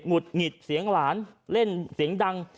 ุดหงิดเสียงหลานเล่นเสียงดัง